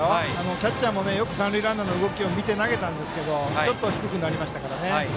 キャッチャーもよく三塁ランナーの動きを見て投げたんですけど低くなりましたからね。